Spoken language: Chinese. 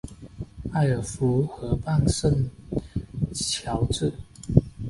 埃尔夫河畔圣乔治。